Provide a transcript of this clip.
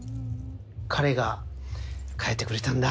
彼が変えてくれたんだ。